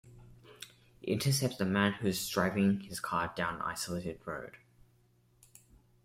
It intercepts a man who's driving his car down an isolated road.